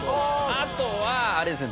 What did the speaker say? あとはあれですね